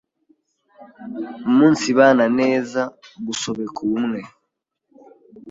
umunsibana neza, gusobeka ubumwe,